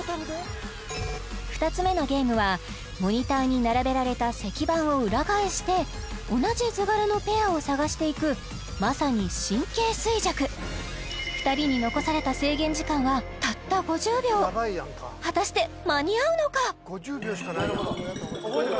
２つ目のゲームはモニターに並べられた石板を裏返して同じ図柄のペアを探していくまさに神経衰弱２人に果たして間に合うのか？